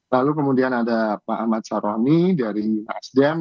lalu kemudian ada pak ahmad saroni dari nasdem